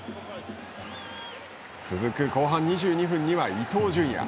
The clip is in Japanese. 続く後半２２分には伊東純也。